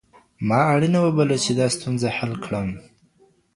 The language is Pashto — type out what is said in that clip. ما اړینه وبلله چي دا ستونزه حل کړم.